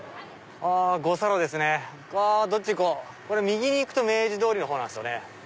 右に行くと明治通りのほうなんですよね。